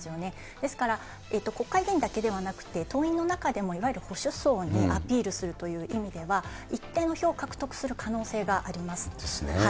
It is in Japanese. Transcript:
ですから、国会議員だけではなくて、党員の中でもいわゆる保守層にアピールするという意味では、一定の票を獲得する可能性があります。ですね。